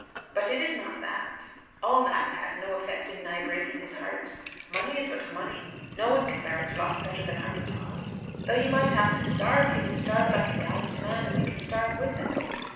"But it is not that. All that has had no effect in nigh breaking his heart. Money is but money. No one can bear its loss better than our papa. Though he might have to starve, he would starve like a gallant man; and we could starve with him.